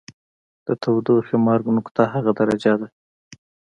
د تودوخې مرګ نقطه هغه درجه ده.